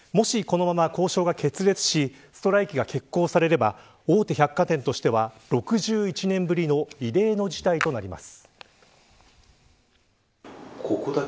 もし、このまま交渉が決裂しストライキが決行されれば大手百貨店としては６１年ぶりの異例の事態となります。